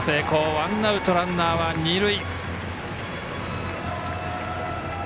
ワンアウト、ランナーは二塁。